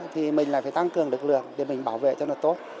thì mình lại phải tăng cường lực lượng để mình bảo vệ cho nó tốt